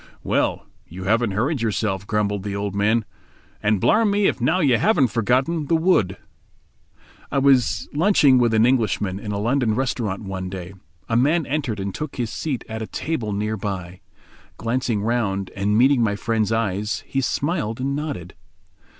"Well, you haven't hurried yourself," grumbled the old man, "and blarm me if now you haven't forgotten the wood." I was lunching with an Englishman in a London restaurant one day. A man entered and took his seat at a table near by. Glancing round, and meeting my friend's eyes, he smiled and nodded.